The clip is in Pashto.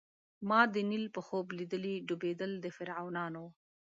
ما د نیل په خوب لیدلي ډوبېدل د فرعونانو